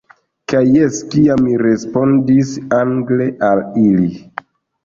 Kaj jes, kiam mi respondis angle al ili.